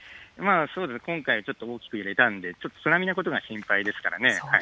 そうですね、今回はちょっと大きく揺れたんで、ちょっと津波のことが心配ですからね。